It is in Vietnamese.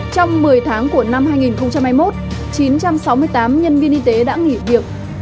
trong một mươi tháng của năm hai nghìn hai mươi một chín trăm sáu mươi tám nhân viên y tế đã nghỉ việc